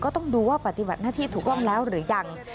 ต้องดูว่าปฏิบัติหน้าที่ถูกต้องแล้วหรือยัง